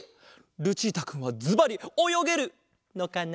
ルチータくんはずばりおよげるのかな？